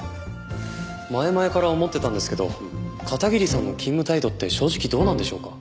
前々から思ってたんですけど片桐さんの勤務態度って正直どうなんでしょうか？